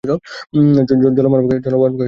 জলমানবকে কেউ ভালোবাসে না।